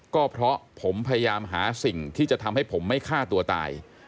ก็เพราะผมพยายามหาสิ่งที่จะทำให้ผมไม่ฆ่าตัวตาย